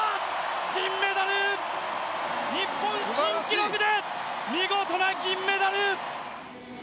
銀メダル！日本新記録で見事な銀メダル！